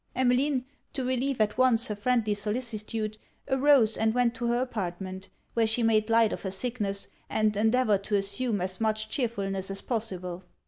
Emmeline, to relieve at once her friendly solicitude, arose and went to her apartment; where she made light of her sickness, and endeavoured to assume as much chearfulness as possible.